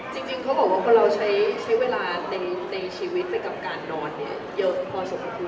จริงเขาบอกว่าคนเราใช้เวลาในชีวิตไปกับการนอนเนี่ยเยอะพอสมควร